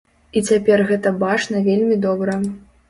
І цяпер гэта бачна вельмі добра.